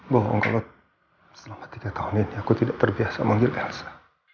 bohong kalau selama tiga tahun ini aku tidak terbiasa memanggil elsa